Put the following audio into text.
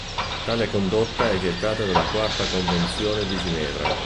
Tale condotta è vietata dalla quarta convenzione di Ginevra.